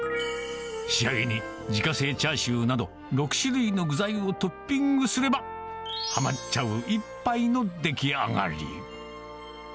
仕上げに自家製チャーシューなど、６種類の具材をトッピングすれば、はまっちゃう一杯の出来上がり。